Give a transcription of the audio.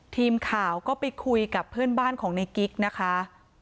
ทีมข่าวก็ไปคุยกับเพื่อนบ้านของในกิ๊กนะคะ